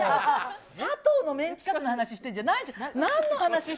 さとうのメンチカツの話してるんじゃないじゃない。